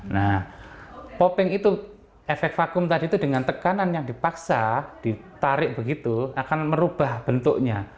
nah popping itu efek vakum tadi itu dengan tekanan yang dipaksa ditarik begitu akan merubah bentuknya